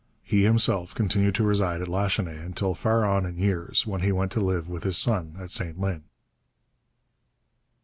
He himself continued to reside at Lachenaie until far on in years, when he went to live with his son at St Lin.